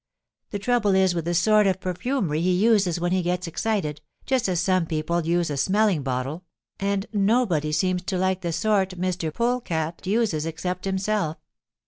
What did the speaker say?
"The trouble is with the sort of perfumery he uses when he gets excited, just as some people use a smelling bottle, and nobody seems to like the sort Mr. Polecat uses except himself.